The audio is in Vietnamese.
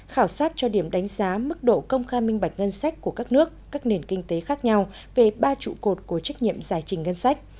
khảo sát cho điểm đánh giá mức độ công khai minh bạch ngân sách của các nước các nền kinh tế khác nhau về ba trụ cột của trách nhiệm giải trình ngân sách